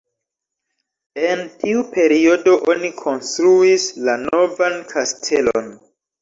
En tiu periodo oni konstruis la novan kastelon.